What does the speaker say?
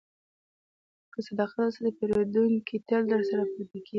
که صداقت وساتې، پیرودونکی تل درسره پاتې کېږي.